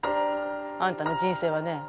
あんたの人生はね